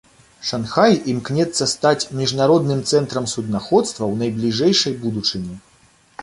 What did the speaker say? Шанхай імкнецца стаць міжнародным цэнтрам суднаходства ў найбліжэйшай будучыні.